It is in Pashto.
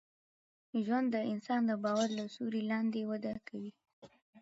ژوند د انسان د باور له سیوري لاندي وده کوي.